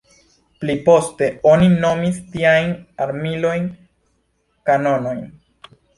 Pliposte oni nomis tiajn armilojn kanonojn.